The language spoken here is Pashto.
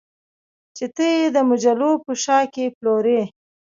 چې ته یې د مجلو په شا کې پلورې